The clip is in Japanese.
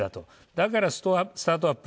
だからスタートアップ。